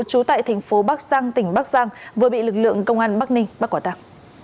trú tại thành phố bắc giang tỉnh bắc giang vừa bị lực lượng công an bắc ninh bắt quả tạp